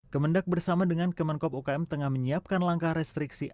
kemendak bersama dengan kemenkop ukm tengah menyiapkan langkah restriksi